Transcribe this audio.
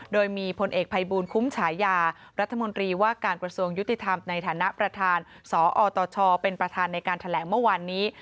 โดยมีพลเอกภัยบูลคุ้มฉายารัฐมนตรีว่าการกระทรวงยุติธรรมในฐานะประธานสอตชเป็นประธานในการแถลงเมื่อวานนี้